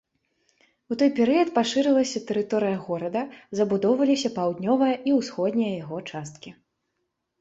У той перыяд пашырылася тэрыторыя горада, забудоўваліся паўднёвая і ўсходняя яго часткі.